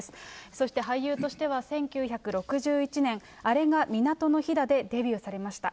そして俳優としては、１９６１年、あれが港の灯だでデビューされました。